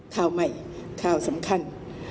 ข่าวใหม่ข่าวสำคัญ